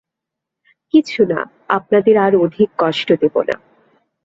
কিছু না, আপনাদের আর অধিক কষ্ট দেব না!